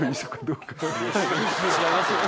違いますよね。